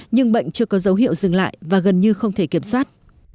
nhưng bệnh chưa có dấu hiệu dừng lại và gần như không thể kiểm soát